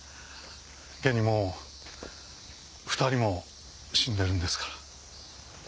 現にもう２人も死んでるんですから。